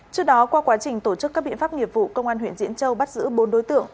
trước đó qua quá trình tổ chức các biện pháp nghiệp vụ công an huyện diễn châu bắt giữ bốn đối tượng